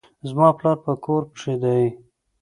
زما پلار په کور کښي دئ.